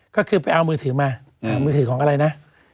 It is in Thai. ก็คือไปเอามือถือมามือถือของอะไรนะ